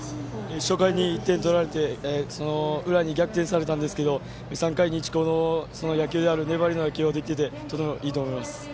初回に１点を取られてその裏に逆転されたんですけど３回に、市高の野球である粘りの野球ができてとてもいいと思います。